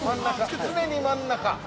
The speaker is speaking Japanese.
◆常に真ん中。